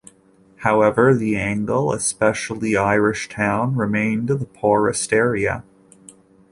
However the Angle, especially Irishtown, remained the poorest area.